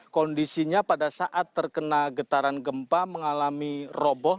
kondisinya pada saat terkena getaran gempa mengalami roboh